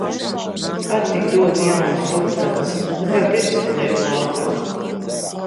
Ka tik dotu jaunas tupeles! Te jau pirksti liek laukā.